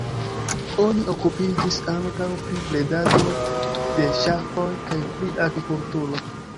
Oni okupiĝis ankaŭ pri bredado de ŝafoj kaj pri agrikulturo.